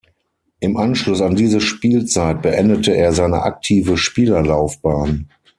Im Anschluss an diese Spielzeit beendete er seine aktive Spielerlaufbahn.